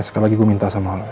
oke sekali lagi gue minta sama lo